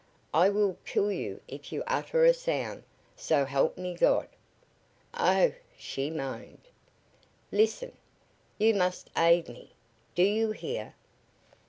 "I will kill you if you utter a sound, so help me God!" "Oh!" she moaned. "Listen! You must aid me! Do you hear?"